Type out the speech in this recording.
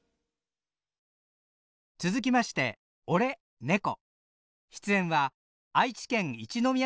続きまして「おれ、ねこ」